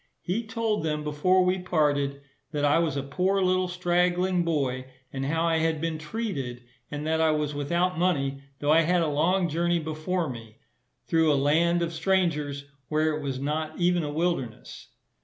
He told them, before we parted, that I was a poor little straggling boy, and how I had been treated; and that I was without money, though I had a long journey before me, through a land of strangers, where it was not even a wilderness.